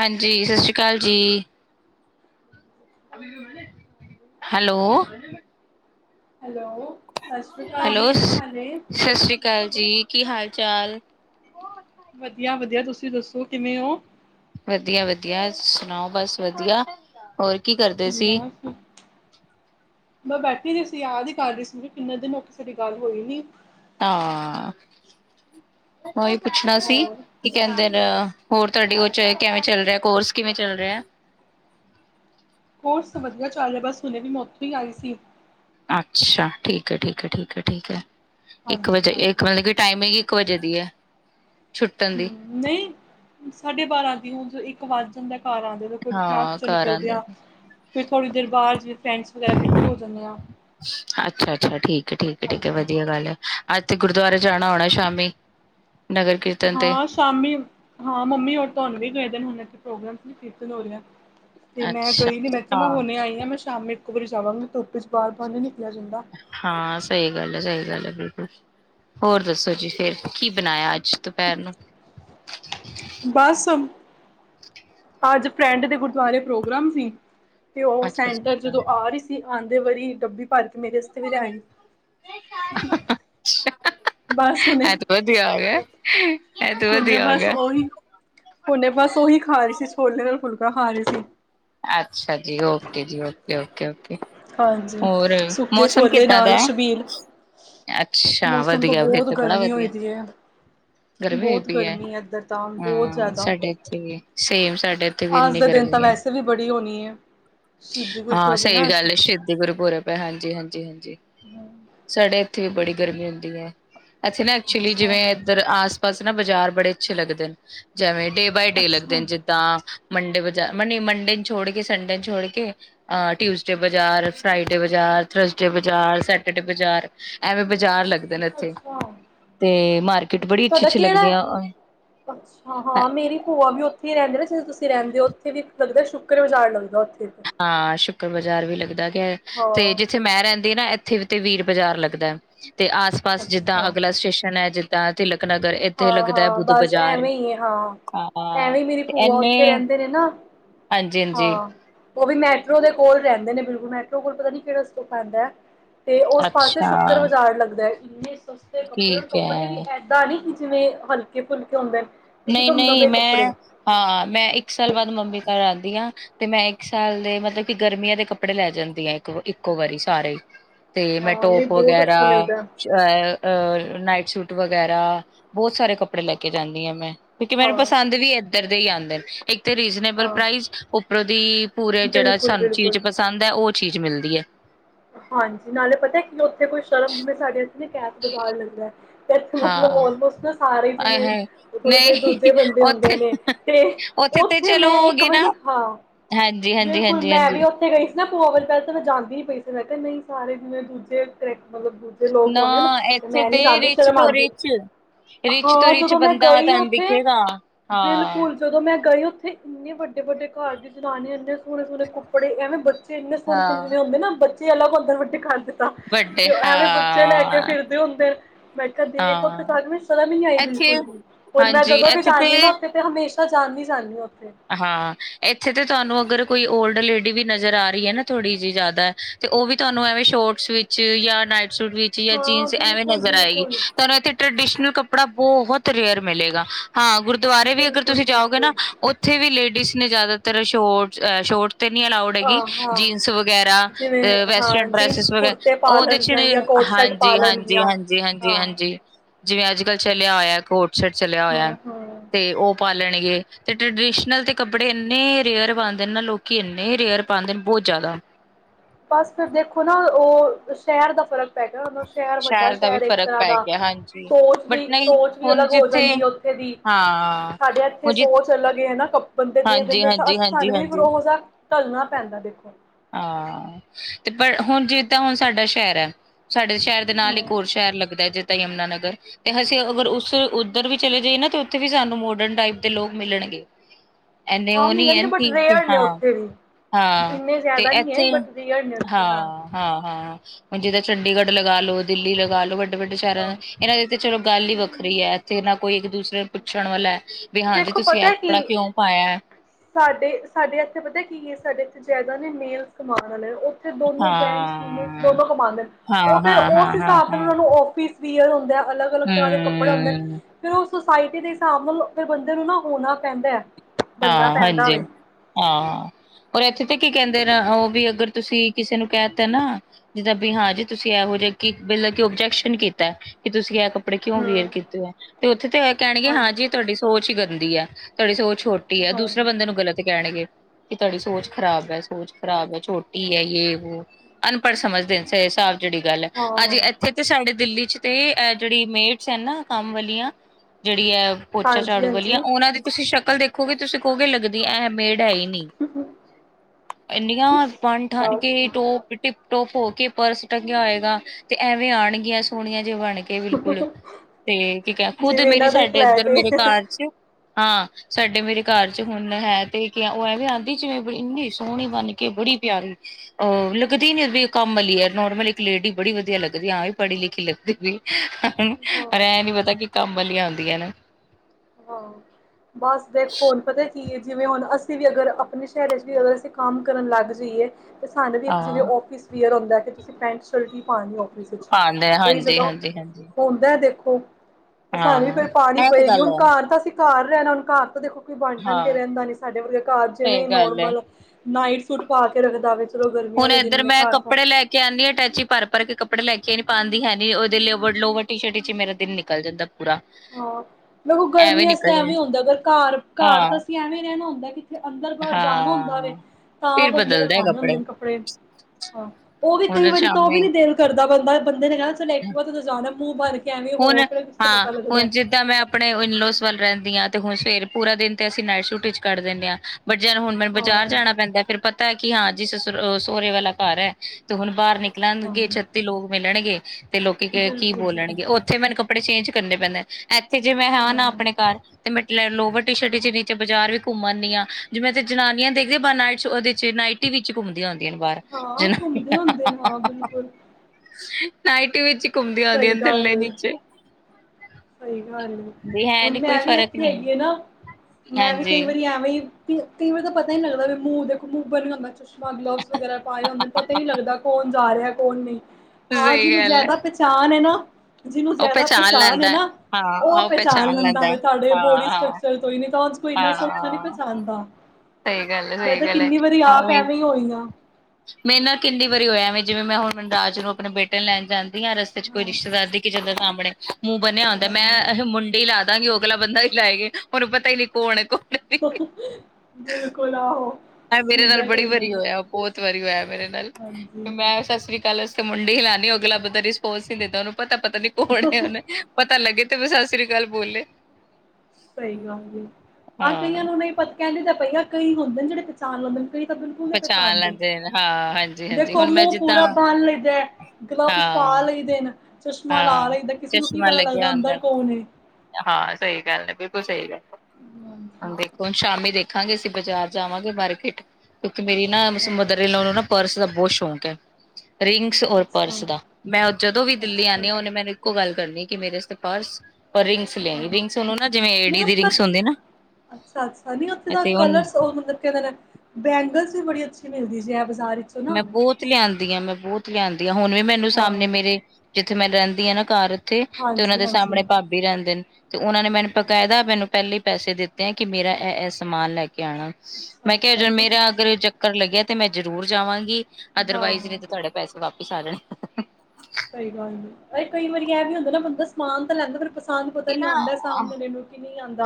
ਹਾਂਜੀ ਸਤਿ ਸ੍ਰੀ ਅਕਾਲ ਜੀ। ਹੈਲੋ? ਹੈਲੋ ਸਤਿ ਸ਼੍ਰੀ ਅਕਾਲ ਜੀ ਕੀ ਹਾਲ ਹੈ। ਗੱਲ ਜੀ ਕੀ ਹਾਲ ਚਾਲ। ਵਧੀਆ ਵਧੀਆ ਤੁਸੀਂ ਦੱਸੋ ਕਿਵੇਂ ਹੋ? ਵਧੀਆ ਵਧੀਆ ਸੁਣਾਓ ਬਸ ਵਧੀਆ ਹੋਰ ਕੀ ਕਰਦੇ ਸੀ? ਬਸ [inaudible] ਮੈਂ ਬੈਠੀ ਹੋਈ ਸੀ ਯਾਦ ਹੀ ਕਰ ਰਹੀ ਸੀ ਕਿੰਨੇ ਦਿਨ ਹੋਕੇ ਸਾਡੀ ਗੱਲ ਹੋਈ ਨੀ। ਹਾਂ ਮੈ ਇਹ ਪੁੱਛਣਾ ਸੀ। ਹੋਰ ਕੀ ਕਹਿੰਦੇ ਨ ਹੋਰ ਤੁਹਾਡੀ ਉਹ ਚ ਕਿਵੇਂ ਚੱਲ ਰਿਹਾ ਕੋਰਸ ਕਿਵੇਂ ਚੱਲ ਰਿਹਾ। ਕੋਰ ਸ ਵਧੀਆ ਚੱਲ ਹੈ ਬਸ ਹੁਣੇੇ ਵੀ ਮੈਂ ਉੱਥੋਂ ਹੀ ਆਈ ਸੀ। ਅੱਛਾ ਠੀਕ ਹੈ ਠੀਕ ਹੈ ਠੀਕ ਹੈ ਠੀਕ ਹੈ ਇੱਕ ਹਾਂਜੀ ਵਜੇ ਹਾਂਜੀ। ਇੱਕ ਮਤਲਬ ਕਿ ਟਾਈਮਿੰਗ ਇੱਕ ਵੱਜੇ ਦੀ ਹੈ ਛੁੱਟਣ ਹੂੰ ਦੀ। ਨਹੀਂ ਸਾਢੇ ਬਾਰਾਂ ਦੀ ਉਂਜ ਇੱਕ ਵੱਜ ਜਾਂਦਾ ਘਰ ਆਂਦੇ। ਕਲਾਸ ਹਾਂ ਚੋਂ ਘਰ ਨਿਕਲਦੇ ਆਉਂਦੇ ਆ ਫਿਰ ਥੋੜੀ ਦੇਰ ਬਾਰ ਜਿਵੇਂ ਫਰੈਂਡਸ ਵਗੈਰਾ ਇਕੱਠੇ ਹੋ ਜਾਂਦੇ ਆ। ਅੱਛਾ ਅੱਛਾ ਠੀਕ ਠੀਕ ਠੀਕ ਹੈ ਹਾਂਜੀ। ਵਧੀਆ ਗੱਲ। ਅੱਜ ਤੇ ਗੁਰਦੁਆਰੇ ਜਾਣਾ ਹੋਣਾ ਸ਼ਾਮੀ ਨਗਰ ਕੀਰਤਨ ਤੇ ਹਾਂ ਸ਼ਾਮੀ ਹਾਂ ਮੰਮੀ ਔਰ ਤੇ ਹੁਨ ਵੀ ਗਏ ਦਿ ਨੇ ਹੁਣ ਇਥੇ ਪ੍ਰੋਗਰਾਮ ਕੀਰਤਨ ਹੋ ਰਿਹਾ। ਤੇ ਮੈਂ ਅੱਛਾ। ਗਈ ਨੀ ਮੈਂ ਕਿਹਾ ਤਾਂ ਮੈਂ ਹਾਂ। ਹੁਣੇ ਆਈ ਹਾਂ ਮੈਂ ਸ਼ਾਮ ਇੱਕ ਵਾਰੀ ਜਾਵਾਂਗੀ ਧੋਪ ਚ ਬਾਰ ਬਾਰ ਨੀ ਨਿਕਲਿਆ ਜਾਂਦਾ। ਹਾਂ ਸਹੀ ਗੱਲ ਹੈ ਸਹੀ ਗੱਲ ਹੈ ਬਿਲਕੁਲ। ਹੋਰ ਦੱਸੋ ਜੀ ਫੇਰ ਕੀ ਬਣਾਇਆ ਅੱਜ ਦੁਪੈਰ ਨੂੰ। ਬਸ ਅੱਜ ਫਰੈਂਡ ਦੇ ਗੁਰਦੁਆਰੇ ਪ੍ਰੋਗਰਾਮ ਸੀ ਤੇ ਉਹ ਅੱਛਾ ਸੈਂਟਰ ਜਦੋਂ ਆ ਰਹੀ ਸੀ ਆਂਦੇ ਵਾਰੀ ਡੱਬੀ ਭਾਰ ਕੇ ਮੇਰੇ ਵਾਸਤੇ ਵੀ ਲਿਆਈ। ਬਸ ਹੁਣੇ ਐ ਤਾਂ ਵਧੀਆ ਹੋ ਗਿਆ। ਐ ਤੇ ਹੁਣੇੇ ਵਧੀਆ ਹੋ ਬਸ ਗਿਆ। ਉਹੀ ਹੁਣੇੇ ਬਸ ਉਹੀ ਖਾ ਰਹੀ ਸੀ ਛੋਲੇ ਨਾਲ ਫੁਲਕਾ ਖਾ ਰਹੀ ਸੀ। ਅੱਛਾ ਜੀ ਓਕੇ ਜੀ ਓਕੇ ਓਕੇ ਓਕੇ। ਹਾਂਜੀ ਹੋਰ ਸੁੱਕੇ ਮੌਸਮ ਛੋਲੇ ਕਿੱਦਾਂ ਨਾਲ ਦਾ? ਛਬੀਲ ਅੱਛਾ ਮੌਸਮ ਤਾਂ ਵਧੀਆ ਫਿਰ ਬਹੁਤ ਤੇ ਬੜਾ ਗਰਮੀ ਹੋਈ ਵਧੀਆ। ਦੀ ਹੈ। ਗਰਮੀ ਹੋਈ ਬਹੁਤ ਪਈ ਹੈ ਗਰਮੀ ਇੱਧਰ ਤਾਂ ਬਹੁਤ ਹਾਂ ਜ਼ਿਆਦਾ ਸਾਡੇ ਇੱਥੇ ਸੇਮ ਸਾਡੇੇ ਵੀ ਅੱਜ ਇੰਨੀ ਦੇ ਦਿਨ ਤਾਂ ਗਰਮੀ ਹੈ। ਵੈਸੇ ਵੀ ਬੜੀ ਹੋਣੀ ਹੈ। ਸ਼ਹੀਦੀ ਹਾਂ ਗੁਰਪੁਰਬ ਹੈ ਨਾ ਸਹੀ ਅੱਜ ਗੱਲ ਏ ਸ਼ਹੀਦੀ ਗੁਰੂ ਪੁਰਬ। ਪੈਂਣਜੀ ਹਾਂਜੀ-ਹਾਂਜੀ-ਹਾਂਜੀ ਸਾਡੇ ਐੱਥੇ ਵੀ ਬੜੀ ਗਰਮੀ ਹੁੰਦੀ ਐ। ਇੱਥੇ ਨਾ ਐਕਚੁਲੀ ਅੱਛਾ, ਜਿਵੇਂ ਇੱਧਰ ਆਸ-ਪਾਸ ਨਾ ਬਜ਼ਾਰ ਬੜੇ ਅੱਛੇ ਲੱਗਦੇ ਨੇ। ਜਿਵੇਂ ਡੇ ਬਾਏ ਡੇ ਲੱਗਦੇ ਅੱਛਾ। ਨੇ ਜਿੱਦਾਂ ਮੰਡੇ ਬਾਜ਼ਾਰ ਨੀ ਮੰਡੇ ਨੀ ਛੋੜ ਕੇ ਸੰਡੇ ਛੋੜ ਕੇ ਟਿਊਸਡੇ ਬਜਾਰ ਫਰਾਈਡੇ ਬਾਜ਼ਾਰ ਥਰਜ਼ਡੇ ਬਾਜ਼ਾਰ ਸੈਟਰਡੇ ਬਾਜ਼ਾਰ ਐਵੇਂ ਬਜ਼ਾਰ ਲੱਗ ਦੇ ਨੇ ਐਥੇ ਅੱਛਾ-ਅੱਛਾ, ਤੇ ਮਾਰਕੀਟ ਬੜੀ ਤੁਹਾਡਾ ਅੱਛੀ-ਅੱਛੀ ਕਿਹੜਾ ਲੱਗਦੀਆ। ਅੱਛਾ ਹਾਂ ਮੇਰੀ ਪੂਆ ਵੀ ਓ ਓਥੇ ਰੈਂਦੇ ਨਾ ਜਿਥੇ ਤੁਸੀਂ ਰੈੰਦੇ ਔ ਉੱਥੇ ਵੀ ਲੱਗਦਾ ਸ਼ੁਕਰੁਬਜ਼ਾਰ ਲੱਗਦਾ ਓਥੇ ਹਾਂ ਸ਼ੁਕਰ ਬਾਜ਼ਾਰ ਵੀ ਲੱਗਦਾ ਗਯਾ ਤੇ ਹਾਂ, ਜਿੱਥ ਥੇ ਮੈਂ ਰੈੰਦੀ ਆ ਨਾ ਇੱਥੇ ਵੀ ਤੇ ਵੀਰ ਬਾਜ਼ਾਰ ਲੱਗਦਾ ਤੇ ਆਸ-ਪਾਸ ਅੱਛਾ ਜਿੱਦਾਂ ਅਗਲਾ ਸਟੇਸ਼ਨ ਐ ਜ ਤਾਂ ਤਿਲਕ ਨਗਰ ਇੱਥੇ ਲੱਗਦਾ ਐ ਹਾਂ-ਹਾਂ ਬੁੱਧ ਬਸ ਬਾਜ਼ਾਰ। ਐਵੇਂ ਹੀ ਹੈ ਹਾਂ। ਹਾਂ ਐਵੇਂ ਮੇਰੀ ਪੂਆ ਓੱਥੇ ਰੈੰਦੇ ਨੇ ਨਾ ਹਾਂਜੀ-ਹਾਂਜੀ। ਓ ਵੀ ਮੈਟਰੋ ਦੇ ਕੋਲ ਰੈੰਦੇ ਨੇ ਬਿਲਕੁਲ ਮੈਟਰੋ ਕੋਲ ਪਤਾ ਨੀ ਕੇੜਾ ਸਟੇ ਪੈਂਦਾ ਤੇ ਓਸ ਪਾਸੇ ਅੱਛਾ ਸ਼ੁੱਕਰ ਬਾਜ਼ਾਰ ਲਗਦਾ ਇੰਨੇ ਸਸਤੇ ਕੱਪੜੇ ਠੀਕ ਹੈ ਕਪੜੇ ਵੀ ਐਦਾਂ ਨੀ ਜਿਵੇਂ ਹਲਕੇ-ਫੁਲਕੇ ਹੁੰਦੇ ਨ। ਨਈ-ਨਈ ਮੈਂ ਹਾਂ ਮੈਂ ਇੱਕ ਸਾਲ ਬਾਅਦ ਮੰਮੀ ਘਰ ਆਂਦੀ ਆਂ ਤੇ ਮੈਂ ਇੱਕ ਸਾਲ ਦੇ ਮਤਲਬ ਕਿ ਗਰਮੀਆਂ ਦੇ ਕੱਪੜੇ ਲੈ ਜਾਂਦੀ ਆਾਂ ਇੱਕ ਇੱਕੋ ਵਾਰੀ ਸਾਰੇ। ਤੇ ਮੈ ਹਾਂ, ਨਹੀਂ ਟੋਪ ਬਹੁਤ ਵਗੈਰਾ ਅੱਛਾ ਮਿਲਦਾ ਹੈ। ਹ ਨਾਈਟ ਸੂਟ ਵਗੈਰਾ ਬੋਤ ਸਾਰੇ ਕੱਪੜੇ ਲੈ ਕੇ ਜਾਂਣੀ ਆ ਮੈਂ। ਕਿਉਂਕਿ ਮੈਨੂੰ ਹਾਂ, ਪਸੰਦ ਵੀ ਐਧਰ ਦੇ ਈ ਆਂਦੇ ਨ। ਤੇ ਰੀਜਨੇਬਲ ਹਾਂ, ਪ੍ਰਾਈਸ ਉਪਰੋਂ ਦੀ ਪੂਰੇ ਜੇੜਾ ਸਾਨੂੰ ਬਿਲਕੁਲ-ਬਿਲਕੁਲ। ਚੀਜ਼ ਪਸੰਦ ਐ ਓ ਚੀਜ਼ ਮਿਲਦੀ ਏ। ਹਾਂਜੀ ਨਾਲੇ ਪਤਾ ਐ ਕਿ ਏ ਓਥੇ ਕੋਈ ਸ਼ਰਮ ਸਾਡੇ ਐੱਥੇ ਨਾ ਇਕ ਐਤ ਬਾਜ਼ਾਰ ਲੱਗਦਾ ਤੇ ਇੱਥੇ ਮਤਲਬ ਹਾਂ ਆਲਮੋਸਟ ਨਾ ਸਾਰੇ ਆਏ ਜਿਵੇਂ ਹਾਏ ਮਤਬ ਥੋੜੇ ਜੇ ਨਹੀਂ ਦੂਜਰੇ ਬੰਦੇ ਆਉਂਦੇ ਉੱਥੇ ਨੇ ਤੇ ਉੱਥੇ ਤੇ ਓਥੇ ਚਲੋ ਮੈਂ ਇੱਕ ਹੋਗੇ ਨਾ ਵਾਰੀ ਹਾਂ ਹਾਂਜੀ, ਹਾਂਜੀ, ਬਿਲਕੁਲ ਹਾਂਜੀ, ਮੈਂ ਹਾਂਜੀ ਵੀ ਓਥੇ ਗਈ ਸੀ ਨਾ ਔਵਵਕੈਲ ਤਾਂ ਮੈਂ ਜਾਂਦੀ ਨੀ ਪਈ ਸੀ ਦਾ ਤੇ ਨਹੀਂ ਸਾਰੇ ਜਿਵੇੈਂ ਦੂਜੇ ਕ ਮਤਲਬ ਦੂ ਜਿਹ ਲੋਗ ਨਾ ਹੁੰਣੇ ਨ ਤੇ ਇੱਥੇ ਮੈਂ ਨੀ ਜਾਂਦੀ ਰਿਚ ਸ਼ਰਮ ਤੋਂ ਆਂਦੀ ਏ। ਰਿਚ ਰਿਚ ਤੋਂ ਹਾਂ ਰਿਚ ਜਦੋਂ ਮੈਂ ਬੰਦਾ ਗਈ ਤੁਹਾਨੂੰ ਓਥੇ ਦਿਖੇਗਾ ਹਾਂ, ਬਿਲਕੁਲ ਜਦੋਂ ਮੈਂ ਗਈ ਓਥੇ ਇੰਨੇ ਵੱਡੇ-ਵੱਡੇ ਘਰ ਦੀ ਜਨਾਣੀਆ ਇੰਨੇ ਸੋਹਣੇ-ਸੋਹਣੇ ਕੱਪੜੇ ਐਵੇਂ ਬੱਚੇ ਤੇ ਇਨੇ ਸੋਣੇ-ਸੋਣੇ ਹਾਂ ਜਿਵੇ ਹੁੰਦੇ ਨਾ ਬੱਚੇ ਅਲਗ ਹੁੰਦੇ ਨੇ ਵੱਡੇ ਘੱਰ ਦੇ- ਵੱਡੇ ਤੇ ਐਵੇਂ ਬੱਚੇ ਲੈ ਕੇ ਹਾਂ, ਫਿਰਦੇ ਹੁੰਦੇ ਨੇ ਮੈਂ ਕੇਹਾ ਦੇਖ ਓਥੇ ਹਾਂ ਸਾਨੂੰ ਵੀ ਸ਼ਰਮ ਈ ਨੀ ਆਈ ਇੱਥੇ ਬਿਲਕੁਲ ਵੀ। ਹੁਣ ਮੈਂ ਹਾਂਜੀ ਜਦੋਂ ਵੀ ਇੱਥੇ ਜਾਂਣੀ ਆ ਓਥੇ ਤੇ ਹਮੇਸ਼ਾ ਜਾਣੀ ਈ ਜਾਂਣੀ ਓਥੇ। ਹਾਂ ਇੱਥੇ ਤੇ ਤੁਹਾਨੂੰ ਅਗਰ ਕੋਈ ਓਲਡ ਲੇਡੀ ਵੀ ਨਜ਼ਰ ਆ ਰਹੀ ਹੈ ਨਾ ਥੋੜ੍ਹੀ ਜੀ ਜ਼ਿਆਦਾ ਤੇ ਓ ਵੀ ਤੁਆਨੂੰ ਐਵੇਂ ਸ਼ੋਰਟਸ ਵਿਚ ਯਾ ਨਾਈਟ ਸੂਟ ਵਿੱਚ ਯਾ ਹਾਂ ਜੀਨਸ ਐਵੇਂ ਨਜ਼ਰ ਆਏਗੀ। ਬਿਲਕੁਲ-ਬਿਲਕੁਲ, ਤਾਨੂੰ ਐਥੇ ਟ੍ਰੈਡੀਸ਼ਨਲ ਕੱਪੜਾ ਬੋਹਤ ਰੇਅਰ ਮਿਲੇਗਾ ਹਾਂ ਗੁਰ ਦੁਆਾਰੇ ਵੀ ਅਗਰ ਤੁਸੀਂ ਜਾਓਗੇ ਬਿਲਕੁਲ-ਬਿਲਕੁਲ ਨਾ ਓਥੇ ਵੀ ਲੇਡੀਜ਼ ਨੇ ਜ਼ਿਆਦਾਤਰ ਸ਼ੋਰਟਸ ਸ਼ੋਰਟ ਤ ਅਲਾਊਡ ਹੈਗੀ ਹਾਂ ਹਾਂ ਜੀਨਸ ਵਗੈਰਾ ਜਿਵੇਂ ਹਾਂ ਵੈਸਟਰਨ ਜੀਨਸ ਡੈਰਸਿਸ ਵਗੈਰਾ ਕੁੜਤੇ ਪਾ ਓਦੇ ਚ ਲੈਣਗੀਆਂ ਜਾਂ ਕੋਟ ਸੈਟ ਪਾ ਲੈਣਗੀਆਂ ਹਾਂ ਹਾਂਜੀ-ਹਾਂਜੀ-ਹਾਂਜੀ-ਹਾਂਜੀ-ਹਾਂਜੀ। ਜਿਵੇਂ ਅੱਜ-ਕੱਲ੍ਹ ਚਲਿਆ ਹੋਇਆ ਕੋਟ-ਸੈਟ ਚਲਿਆ ਹੋਇਆ ਹੂੰ-ਹੂੰ ਤੇ ਓ ਪਾ ਲੈਣਗੇ। ਤੇ ਟ੍ਰੈਡੀਸ਼ਨਲ ਤੇ ਕੱਪੜੇ ਇੰਨੇ ਰੇਅਰ ਪਾਂਦੇ ਨੇ ਨਾ ਲੋਕੀ ਐਨੇ ਰੇਅਰ ਪਾਂਦੇ ਨੇ ਬੋਹਤ ਜ਼ਿਆਦਾ। ਬਸ ਫਿਰ ਦੇਖੋ ਨਾ ਓ ਸ਼ਹਿਰ ਦਾ ਫ਼ਰਕ ਮੈਂ ਕੇਹਾ ਸ਼ਹਿਰ ਵੱਡਾ ਦਾ ਵੀ ਸ਼ਹਿਰ ਇੱਕ ਫ਼ਰਕ ਤਰ੍ਹਾਂ ਪੈ ਦਾ ਗਿਆ ਹਾਂਜੀ ਸੋਚ ਬਟ ਵੀ ਨਹੀਂ ਸੋਚ ਵੀ ਹੁਣ ਅਲੱਗ ਹੋ ਜਿੱਥੇ ਜਾਂਦੀ ਏ ਓਥੇ ਦੀ। ਹਾਂ ਸਾਡੇ ਐੱਥੇ ਹੁਣ ਜ ਸੋਚ ਅਲਗ ਏ ਹੈਨਾ ਕੱਪਨ ਤੇ ਦੇਖਦੇ ਹਾਂਜੀ ਫਿਰ ਹਾਂਜੀ ਹਾਂਜੀ ਸਾਨੂੰ ਵੀ ਫਿਰ ਹਾਂਜੀ ਓਹੋ ਜੇਹਾ ਢਲਣਾ ਪੈਂਦਾ ਦੇਖੋ ਹਾਂ ਤੇ ਪਰ ਹੁਣ ਜੇ ਤਾਂ ਹੁਣ ਸਾਡਾ ਸ਼ਹਿਰ ਐ ਸਾਡਾ ਸ਼ਹਿਰ ਨਾਲ ਇੱਕ ਹੂੰ ਹੋਰ ਸ਼ਹਿਰ ਲੱਗਦੈ ਜਿੱਦਾ ਯਮੁਨਾ ਨਗਰ ਤੇ ਅਸੀਂ ਅਗਰ ਉਸ ਉੱਧਰ ਵੀ ਚਲੇ ਜਾਈਏ ਨਾ ਤੇ ਉੱਥੇ ਵੀ ਸਾਨੂੰ ਮੋਡਰਨ ਟਾਈਪ ਦੇ ਲੋਕ ਮਿਲਣਗੇ। ਇਹਨੇ ਹਾਂ ਓਹ ਨੀ ਹੈ ਮਿਲਣਗੇ ਬਟ ਬੀ ਰੇਅਰ ਨੇ ਹਾਂ ਉੱਥੇ ਵੀ ਹਾਂ। ਇੰਨੇ ਤੇ ਜ਼ਿਆਦਾ ਨਹੀਂ ਹੈ ਇੱਥੇ ਹਾਂ। ਬਟ ਰੇਅਰ ਨੇ ਉੱਥੇ ਹਾਂ ਹਾਂ ਹਾਂ ਹੁਣ ਜਿੱਦਾਂ ਚੰਡੀਗੜ੍ਹ ਲਗਾ ਲੋ ਦਿੱਲੀ ਲਗਾ ਲੋ ਵੱਡੇ ਵੱਡੇ ਸ਼ਹਿਰਾਂ ਹਾਂ ਇਹਨਾਂ ਦੀ ਤੇ ਚਲੋ ਗੱਲ ਹੀ ਵੱਖਰੀ ਹੈ ਇੱਥੇ ਨਾ ਕੋਈ ਇੱਕ ਦੂਸਰੇ ਫ ਪੁੱਛਣ ਵਾਲਾ ਹੈ ਵੀ ਹਾਂਜੀ ਦੇਖੋ ਤੁਸੀਂ ਇਹ ਪਤਾ ਕੱਪੜਾ ਕੀ ਕਿਉਂ ਪਾਇਐ। ਸਾਡੇ, ਸਾਡੇ ਇੱਥੇ ਪਤਾ ਕੀ ਏ ਸਾਡੇ ਇੱਥੇ ਜ਼ਿਆਦਾ ਨੇ ਮੇਲਸ ਕਮਾਉਣ ਵਾਲੇ ਉਹ ਦੋਨੋ ਜੈਟਸ ਫੀਮੇਲਸ ਹਾਂ ਦੋਨੋ ਕਮਾਂਦੇ ਨੇ ਉਹ ਹਾਂ ਫੇਰ ਹਾਂ ਹਾਂ ਉਸ ਹਾਂ ਹਿਸਾਬ ਤੇ ਹਾਂ ਉਹਨਾਂ ਨੂੰ ਆਫਿਸ ਪੀਅਰ ਹੁੰਦੈ ਅਲੱਗ-ਅਲੱਗ ਤਰ੍ਹਾਂ ਦੇ ਕੱਪੜੇ ਹੁੰਦੇ ਨੇ ਹਮ ਫੇਰ ਸੁਸਾਇਟੀ ਦੇ ਹਿਸਾਬ ਨਾਲ ਉੱਥੇ ਬੰਦੇ ਨੂੰ ਨਾ ਹੋਣਾ ਪੈਂਦੈ। ਹਾਂ ਹਾਂਜੀ ਹਾਂ। ਔਰ ਇੱਥੇ ਤੇ ਕੀ ਕਹਿੰਦੇ ਨ, ਉਹ ਵੀ ਅਗਰ ਤੁਸੀਂ ਕਿਸੇ ਨੂੰ ਕਹਿਤੈ ਨਾ। ਜਿੱਦਾਂ ਵੀ ਹਾਂ, ਜੀ ਤੁਸੀਂ ਇਹੋ ਜੇ ਕਿ ਪਹਿਲਾਂ ਤੇ ਓਬਜੈਕਸ਼ਨ ਕੀਤੈ ਕਿ ਤੁਸੀਂ ਇਹ ਕੱਪੜੇ ਕਿਉਂ ਵੇਅਰ ਹਮ ਕੀਤੇ ਐ, ਤੇ ਉੱਥੇ ਤੇ ਇਹ ਕਹਿਣਗੇ ਹਾਂ ਜੀ ਹਾਂਜੀ ਤੁਹਾਡੀ ਸੋਚ ਹੀ ਗੰਦੀ ਐ। ਤੁਹਾਡੀ ਸੋਚ ਛੋਟੀ ਹਾਂ ਦੂਸਰੇ ਬੰਦੇ ਨੂੰ ਗਲਤ ਕਹਿਣਗੇ। ਕਿ ਤੁਹਾਡੀ ਸੋਚ ਖਰਾਬ ਐ। ਸੋਚ ਖ਼ਰਾਬ ਐ, ਛੋਟੀ ਏ ਯੇ, ਵੋ ਅਨਪੜ੍ਹ ਸਮਝਦੇ ਨੇ ਸ ਸਾਫ਼ ਜਿਹੜੀ ਗੱਲ ਐ। ਹਾਂਜੀ ਹਾਂ ਇੱਥੇ ਤੇ ਸਾਡੇ ਦਿੱਲੀ ਚ ਤੇ ਐ ਜਿਹੜੀ ਮੇਟਸ ਹੈ ਨਾ, ਕੰਮ ਵਾਲੀਆਂ ਜਿਹੜੀ ਐ ਪੋਚਾ ਹਾਂਜੀ ਝਾੜੂ ਵਾਲੀਆਂ ਹਾਂਜੀ ਉਹਨਾਂ ਦੀ ਤੁਸੀਂ ਸ਼ਕਲ ਦੇਖੋਗੇ, ਤੁਸੀਂ ਕਹੋਗੇ ਲੱਗਦੀ ਐ ਮੇਡ ਹੈ ਹੀ ਨਹੀ। ਇੰਨੀਆਂ ਬਨ ਠਨ ਬਸ ਕੇ ਟੋਪ ਟਿਪ-ਟੋਪ ਹੋ ਕੇ ਪਰਸ ਟੰਗਿਆ ਹੋਏਗਾ ਤੇ ਐਵੇਂ ਆਣਗੀਆਂ ਸੋਹਣੀਆਂ ਜਿਆ ਬਣ ਕੇ ਬਿਲਕੁਲ ਤੇ ਕੀ ਕ ਖੁੱਦ ਜਿਵੇਂ ਮੇਰੀ ਇਹਨਾਂ ਦਾ ਹੀ ਸਾਡੇ ਫਲੈਟ ਇਧਰ ਏ ਮੇਰੇ ਘਰ ਚ ਹਾਂ। ਸਾਡੇ, ਮੇਰੇ ਘਰ ਚ ਹੁਣ ਹੈ ਤੇ ਉਹ ਐਵੇਂ ਆਂਦੀ ਜਿਵੇ ਇੰਨੀ ਸੋਹਣੀ ਬਨ ਕੇ, ਬੜੀ ਪਿਆਰੀ। ਓ ਲੱਗਦੀ ਨੀ ਵੀ ਕੰਮ ਆਲੀ ਐ, ਨੋਰਮਲ ਇੱਕ ਲੇਡੀ ਬੜੀ ਵਧੀਆ ਲੱਗਦੀ, ਹਾਂ ਵੀ ਪੜ੍ਹੀ ਲਿਖੀ ਲੱਗਦੀ। ਪਰ ਹਾਂ ਐ ਨੀ ਪਤਾ ਕਿ ਕੰਮ ਵਾਲੀਆਂ ਹੁੰਦੀਆਂ ਨੇ। ਬਸ ਦੇਖੋ ਹੁਣ ਪਤਾ ਕੀ ਏ, ਜਿਵੇਂ ਹੁਣ ਅ ਉੱਥੇ ਵੀ ਅਗਰ, ਆਪਣੇ ਸ਼ਹਿਰ 'ਚ ਵੀ ਅਗਰ ਅਸੀਂ ਕੰਮ ਕਰਨ ਲੱਗ ਜਾਈਏ, ਤਾਂ ਸਾਨੂੰ ਵੀ ਜਿਵੇਂ ਹਾਂ ਆਫਿਸ ' ਵੀਅਰ ਹੁੰਦੈ ਕਿ ਤੁਸੀਂ ਪੈਂਟ ਸ਼ਰਟ ਹੀ ਪਾਨੀ ਹੋ ਪਾਂਦੇ ਕਈ ਹਾਂਜੀ ਜਗ੍ਹਾ ਹਾਂਜੀ ਹਾਂਜੀ ਹੁੰਦਾ ਐ ਦੇਖੋ! ਤੇ ਸਾਨੂੰ ਵੀ ਹਾਂ ਫੇਰ ਪਾਣੀ ਇਹ ਤਾਂ ਪਏਗੀ ਗੱਲ ਹੁਣ ਹੈ ਘਰ ਤਾਂ ਅਸੀਂ ਘਰ ਰਹਿਣਾ, ਹੁਣ ਘਰ ਤਾਂ ਦੇਖੋ ਕੋਈ ਬਣ-ਠਣ ਹਾਂ ਕੇ ਰਹਿੰਦਾ ਨੀ, ਸਾਡੇ ਵਰਗੇ ਘਰ ਸਹੀ ਜਿਵੇਂ ਗੱਲ ਹੈ। ਨੋਰਮਲ ਨਾਈਟ ਸੂਟ ਪਾ ਕੇ ਰੱਖਦਾ ਵੇ ਚਲੋ ਗਰਮੀਆਂ ਦੇ ਦਿਨ ਨੇ ਘਰ ਤਾਂ ਕਹਿੰਨੀ ਆ ਅਟੈਚੀ ਭਰ-ਭਰ ਕੇ ਕੱਪੜੇ ਲੈ ਕੇ ਆਈ, ਪਾਂਦੀ ਹੈ ਨੀ। ਉਹਦੇ ਲੋਵਰ ਟੀ ਸ਼ਰਟ ਇਚ ਮੇਰਾ ਦਿਨ ਨਿਕਲ ਜਾਂਦਾ ਪੂਰਾ। ਹਾਂ, ਦੇਖੋ ਐਵੇਂ ਗਰਮੀਆਂ ਚ ਨਿਕਲ ਤਾਂ ਜਾਂਦਾ ਐਵੇਂ ਹੁੰਦੈ ਅਗਰ ਘਰ, ਘਰ ਤਾਂ ਹਾਂ ਅਸੀਂ ਐਵੇਂ ਰਹਿਣਾ ਹੁੰਦੈ। ਅੰਦਰ-ਬਾਹਰ ਜਾਣਾ ਹੁੰਦਾ ਵੇ, ਹਾਂ ਤਾਂ ਫਿਰ ਬੰਦੇ ਨੇ ਬਦਲਦਾ ਪਾਣੇ ਹੁੰਦੇ ਨੇ ਕੱਪੜੇ। ਹਾਂ, ਉਹ ਵੀ ਕਈ ਹੁਣ ਵਾਰੀ ਤਾਂ ਉਹ ਵੀ ਸ਼ਾਮੀ ਨੀ ਦੇ ਕਰਦਾ ਬੰਦਾ, ਬੰਦੇ ਨੇ ਕਹਿਣਾ ਚਲ ਇੱਕ ਵਾਰ ਜਾਣਾ ਮੂੰਹ ਭਰ ਕੇ ਐਵੇਂ ਹੋ ਫੇਰ। ਉੰਝ ਜਿੱਦਾਂ ਮੈਂ ਆਪਣੇ ਇਨਲੋਸ ਵੱਲ ਰਹਿੰਦੀ ਆ, ਤੇ ਹੁਣ ਸਵੇਰ ਪੂਰਾ ਦਿਨ ਤੇ ਅਸੀਂ ਨਾਈਟ ਸ਼ੂਟ ਵਿਚ ਕੱਢ ਦਿੰਦੇ ਆ। ਬਟ ਜੱਦੋ ਹੁਣ ਮੈਨੂੰ ਬਜ਼ਾਰ ਹਾਂ ਜਾਣਾ ਪੈਂਦਾ ਫਿਰ ਕਿ ਹਾਂ, ਜਿਸ ਸਹੁਰੇ ਵਾਲਾ ਘਰ ਐ ਤੇ ਹੁਣ ਬਾਹਰ ਨਿਕਲ ਹਾਂ ਨਿਕਲਾਂਗੀ, ਛੱਤੀ ਲੋਕ ਮਿਲਣਗੇ ਤੇ ਲੋਕੀ ਕੀ ਬਿਲਕੁਲ ਜੀ ਬੋਲਣਗੇ? ਉਹ ਬਿਲਕੁਲ ਮੈਨੂੰ ਕੱਪੜੇ ਚੇਂਜ ਕਰਨੇ ਪੈਂਦੇ। ਇੱਥੇ ਜਿਵੇਂ ਹਾਂ ਨਾ ਆਪਣੇ ਘਰ ਤੇ, ਮੈਂ ਲੋਵਰ ਟੀ ਹਾਂ ਸ਼ਰਟਟੀ ਨੀਚੇ ਬਾਜ਼ਾਰ ਵੀ ਘੁੰਮ ਆਪਣੀ ਆਂ। ਜਿਵੇਂ ਤੇ ਜਨਾਨੀਆਂ ਦੇਖਦੀ ਨਾਈਟ ਉਹਦੇ ਚ ਨਾਈਟ ਟੀ ਵਿੱਚ ਘੁੰਮਦੀਆਂ ਆਉਂਦੀਆਂ ਨੇ ਬਾਹਰ। ਹਾਂ ਘੁੰਮਦੇ ਹੁੰਦੇ ਨੇ ਹਾਂ ਬਿਲਕੁਲ ਨਾਈਟੀ ਵਿੱਚ ਹੀ ਘੁੰਮਦੀਆਂ ਹੁੰਦੀਆਂ। ਸਹੀ ਥੱਲੇ ਗੱਲ ਏ ਨੀਚੇ ਸਹੀ ਗੱਲ ਐ। ਵੀ ਹੈ ਹੁਣ, ਨੀ ਕੋਈ ਮੈਂ ਵੀ ਫ਼ਰਕ ਇੱਥੇ ਨਹੀਂ ਹੈਗੀ ਆ ਨਾ ਮੈਂ ਵੀ ਹਾਂਜੀ ਕਈ ਵਾਰੀ ਐਵੇਂ ਈ, ਕਈ ਵਾਰੀ ਤਾਂ ਪਤਾ ਹੀ ਨੀ ਲੱਗਦਾ ਵੀ, ਮੂੰਹ ਦੇਖੋ, ਮੂੰਹ ਗਲਵਸ ਵਗੈਰਾ ਪਾ ਰਹੇ ਹੁੰਦੇ। ਪਤਾ ਨੀ ਲੱਗਦਾ ਕੌਣ ਜਾ ਰਿਹਾ ਕੌਣ ਨਹੀਂ। ਹਾਂ, ਸਹੀ ਜਿਨੂੰ ਗੱਲ ਹੈ ਜ਼ਿਆਦਾ ਪਹਿਚਾਣ ਹੈ। ਨਾ ਜਿਹਨੂੰ ਉਹ ਜ਼ਿਆਦਾ ਪਹਿਚਾਣ ਹੈ ਲੈਂਦਾ ਨਾ! ਉਹ ਹਾਂ ਪਹਿਚਾਣ ਲੈਂਦਾ ਹੈ ਵੇ, ਤੁਹਾਡੇ ਬੋਡੀ ਹਾਂ ਸਟਕਚਰ ਸਈ ਨੀ, ਤਾਂ ਉਹ ਕੋਈ ਇੰਨਾ ਹਾਂ ਸੌਖਾ ਨੀ ਹਾਂ ਪਹਿਚਾਣਦਾ। ਸਹੀ ਗੱਲ ਹੈ ਮੈਂ, ਸਹੀ ਤਾਂ ਗੱਲ ਹੈ ਕਿੰਨੀ ਵਾਰੀ ਆਪ ਐਵੇਂ ਹੀ ਹੋਈ ਆ। ਮੇਰੇ ਨਾ ਕਿੰਨੀ ਵਾਰੀ ਹੋਇਆ ਐ। ਜਿਵੇ ਮੈਂ ਹੁਣ ਰਾਜ ਨੂੰ ਆਪਣੇ ਬੇਟੇ ਨੂੰ ਲੈਣ ਜਾਂਦੀ ਆ, ਰਸਤੇ ਚ ਕੋਈ ਹਾਂ ਰਿਸ਼ਤੇਦਾਰ ਜਦਾਂ ਸਾਹਮਣੇ ਮੂੰਹ ਬੰਨਿਆ ਹੁੰਦਾ, ਹਾਂ ਮੈਂ ਮੁੰਡੀ ਹਿਲਾ ਦਿੰਦੀ। ਅਗਲਾ ਬੰਦਾ ਹੀ ਲਾਏ ਗਏ। ਉਹਨੂੰ ਪਤਾ ਹੀ, ਨੀ ਕੌਣ -ਕੌਣ ਬਿਲਕੁਲ, ਆਹੋ। ਹੈ, ਮੇਰੇ ਨਾਲ ਹੁੰਦਾ ਬੜੀ, ਕਈ ਵਾਰੀ ਹੋਇਆ ਬਹੁਤ ਵਾਰੀ ਹੋਇਆ। ਮੇਰੇ ਨਾਲ ਹਾਂਜੀ ਮੈਂ ਸਤਿ ਸ੍ਰੀ ਅਕਾਲ। ਕੱਲ ਉਸ ਨੇ ਮੁੰਡੀ ਲਾਉਣੀ। ਅਗਲਾ ਪਤਾ ਸਪੋਰਸ ਨਹੀਂ ਦਿਦਾ। ਉਹ ਨੂੰ ਤਾ ਪਤਾ ਨੀ ਕੋੌਣ ਉਹਨੇ ਪਤਾ ਲੱਗੇ ਤੇ, ਉਹ ਸਤਿ ਸ੍ਰੀ ਅਕਾਲ ਬੋਲੇ। ਸਹੀ ਗੱਲ ਜੀ, ਤਾਂ ਹਾਂ ਕਈਆਂ ਨੂੰ ਪਤਾ ਕਹਿੰਦੇ ਤਾਂ ਪਈ ਆ। ਕਈ ਹੁੰਦੇ ਨੇ ਜਿਹੜੇ ਪਹਿਚਾਣ ਲੇਦੇ ਨੇ। ਕਈ ਤਾਂ ਬਿਲਕੁਲ ਨਹੀਂ ਪਛਾਣ ਪਹਿਚਾਣ ਦੇ ਲੈਂਦੇ ਨੇ ਹਾਂ ਹਾਂਜੀ ਹਾਂਜੀ ਦੇਖੋ ਹੁਣ ਮੈਂ ਮੂੰਹ ਜਿੱਦਾਂ ਪੂਰਾ ਬਣ ਲੈਂਦਾ। ਗਲਾਵਸ ਪਾ, ਹਾਂ ਲਈਦੇ ਨੇ ਚਸ਼ਮਾ ਲਾ ਹਾਂ ਲਈਦਾ ਕਿਸੇ ਨੂੰ ਕੀ ਚਸ਼ਮਾ ਪਤਾ ਲੱਗਦਾ। ਲੱਗਿਆ ਹੁੰਦਾ ਅੰਦਰ ਕੌਣ ਹਾਂ, ਸਹੀ ਗੱਲ ਹੈ। ਬਿਲਕੁਲ, ਸਹੀ ਗੱਲ ਹੈ। ਹੁਣ ਹਾਂਜੀ ਦੇਖ ਹੁਣ ਸ਼ਾਮੀ ਦੇਖਾਂਗੇ। ਅਸੀਂ ਬਾਜ਼ਾਰ ਜਾਵਾਂਗੇ ਮਾਰਕੀਟ, ਕਿਉਂਕਿ ਮੇਰੀ ਨਾ ਹਾਂ, ਮਦਰ ਇਨ ਲੋ ਪਰਸ ਦਾ, ਬਹੁਤ ਸ਼ੌਂਕ ਹ‌ੈ। ਰਿੰਗਸ ਔਰ ਅੱਛਾ, ਪਰਸ ਦਾ ਮੈਂ ਜਦੋਂ ਵੀ ਦਿੱਲੀ ਅੱਛਾ ਆਉਂਦੀ ਹਾਂ! ਉਹਨੇ ਮੈਨੂੰ ਗੱਲ ਕਰਨੀ, ਕਿ ਮੇਰੇ ਵਾਸਤੇ ਪਰਸ ਰਿੰਗਸ ਹਾਂ ਲੈਣੀ। ਰਿੰਗਨ ਨਾ ਜਿਵੇਂ ਨਹੀਂ ਏਡੀ ਦੀ ਉੱਥੇ ਤਾਂ ਰਿੰਗਸ ਹੁੰਦੀ ਨਾ ਅੱਛਾ -ਅੱਛਾ, ਨੀ ਉੱਥੇ ਦਾ ਤੇ ਹੁਣ ਕਲਰਸ ਉਹ ਮਤਲਬ ਕਹਿੰਦੇ ਨੇ। ਬੈਂਗਲਸ ਵੀ, ਬੜੀ ਅੱਛੀ ਮਿਲਦੀ ਜੀ ਹੈ। ਬਾਜ਼ਾਰ ਵਿੱਚੋਂ ਨਾ ਮੈਂ ਬਹੁਤ ਲਿਆਂਦੀ ਹਾਂ! ਮੈਂ ਬਹੁਤ ਲਿਆਂਦੀ ਹਾਂ! ਹੁਣ ਵੀ ਮੈਨੂੰ ਹਾਂ ਸਾਹਮਣੇ ਮੇਰੇ ਜਿੱਥੇ ਮੈਂ, ਰਹਿੰਦੀ ਹਨਾ! ਘਰ ਉੱਥੇ ਤੇ ਉਹਨਾਂ ਹਾਂਜੀ, ਦੇ ਹਾਂਜੀ। ਸਾਹਮਣੇ ਭਾਬੀ ਰਹਿੰਦੇ ਨੇ। ਤੇ, ਉਹਨਾਂ ਨੇ, ਮੈਨੂੰ ਬਕਾਇਦਾ ਮੈਨੂੰ ਪਹਿਲੇ ਹੀ। ਪੈਸੇ ਦਿੱਤੇ ਆ ਕਿ ਮੇਰਾ ਇਹ- ਇਹ ਸਮਾਨ ਲੈ ਕੇ ਆਉਣਾ। ਅੱਛਾ, ਮੈਂ ਕਿਹਾ ਜੇ, ਅੱਛਾ ਮੇਰਾ ਅਗਰ ਚੱਕਰ ਲੱਗਿਆ ਤੇ ਮੈਂ ਜਰੂਰ ਜਾਵਾਂਗੀ ਅਦਰਵਾਈਜ਼ ਹਾਂ। ਨੇ, ਤੇ ਤੁਹਾਡੇ ਪੈਸੇ ਵਾਪਿਸ ਆਗੇ। ਸਹੀ ਗੱਲ ਨੀ, ਆ ਕਈ ਵਾਰੀ ਇਹ ਵੀ ਹੁੰਦਾ ਨਾ ਬੰਦਾ ਸਮਾਨ ਤਾਂ ਲੈਂਦਾ, ਫਿਰ ਪਸੰਦ ਪਤਾ ਕਿ ਨੀ ਆਉਂਦਾ ਨਾ ਸਮਣੇ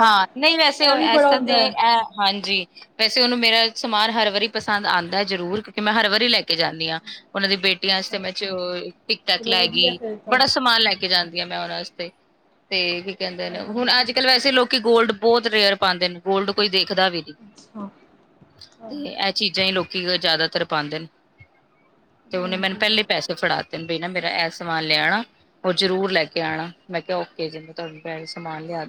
ਹਾਂ, ਨਹੀਂ ਵੈਸੇ -ਐਸਾ ਤੇ ਹੁੰਦਾ ਐ। ਹਾਂਜੀ। ਵੈਸੇ ਉਹਨੂੰ ਮੇਰਾ ਸਮਾਨ ਹਰ ਵਾਰੀ ਪਸੰਦ ਆਉਂਦਾ ਜ਼ਰੂਰ ਮੈਂ, ਹਰ ਵਾਰੀ ਲੈ, ਕੇ ਜਾਂਦੀ ਹਾਂ। ਉਹਨਾਂ ਦੀ ਬੇਟੀਆਂ ਵਸਤੇ ਮੈਂ ਚ, ਅੱਛਾ-ਅੱਛਾ, ਟਿਕ-ਟਕ ਚਲੋ ਲੈ ਵਧੀਆ ਗਈ। ਫਿਰ ਤਾਂ, ਬੜਾ ਸਮਾਨ ਲੈ ਜਾਂਦੀ ਹਾਂ, ਮੈਂ ਉਹਨਾਂ ਵਾਸਤੇ ਤੇ, ਕੀ ਕਹਿੰਦੇ ਹਾਂ ਨੇ। ਹੁਣ ਅੱਜ ਵਧੀਆ ਕੱਲ੍ਹ ਚਲੋ। ਵੈਸੇ ਲੋਕ ਕਿ ਗੋਲਡ ਬਹੁਤ ਰੇਅਰ ਪਾਉਂਦੇ ਨੇ, ਗੋਲਡ ਕੋਈ ਦੇਖਦਾ ਵੀ ਨਹੀਂ। ਅੱਛਾ, ਹਾਂ, ਇਹ ਚੀਜ਼ਾਂ ਹੀ, ਲੋਕੀ ਜ਼ਿਆਦਾਤਰ ਪਾਉਂਦੇ ਨੇ। ਤੇ, ਉਹਨੇ ਮੈਨੂੰ, ਹਾਂਜੀ। ਪਹਿਲੇ ਪੈਸੇ ਫੜਾ ਤੇ ਮੇਰਾ ਇਹ ਸਮਾਨ ਲਿਆ। ਆਣਾ ਉਹ ਜਰੂਰ ਲੈ ਕੇ ਆਉਣਾ ਮੈਂ, ਕਿਹਾ ਓਕੇ ਜੀ। ਦੁਪਹਿਰੇ ਸਮਾਨ ਲਿਆ।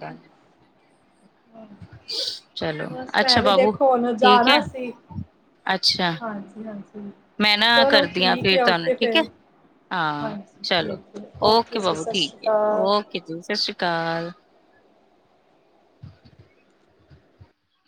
ਚਲੋ ਬਸ ਮੈਂ, ਅੱਛਾ ਵੀ ਬਾਬੂ ਦੇਖੋ ਹੁਣ ਠੀਕ ਜਾਣਾ ਹੈ ਸੀ। ਅੱਛਾ ਹਾਂਜੀ-ਹਾਂਜੀ। ਮੈਂ ਨਾ, ਚਲੋ ਕਰਦੀ ਹਾਂ ਠੀਕ ਫਿਰ ਏ ਤੁਹਾਨੂੰ ਓਕੇ ਠੀਕ ਹੈ। ਫਿਰ, ਹਾਂ, ਹਾਂਜੀ ਚਲੋ ਠੀਕ ਏ, ਓਕੇ ਜੀ ਬਾਬੂ ਸਤਿ ਠੀਕ ਸ਼੍ਰੀ ਆ, ਅਕਾਲ। ਓਕੇ ਜੀ ਸਤਿ ਸ੍ਰੀ ਅਕਾਲ।